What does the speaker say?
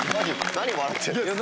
何笑ってるの？